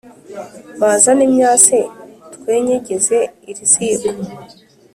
Bazane imyase twenyegeze iriziko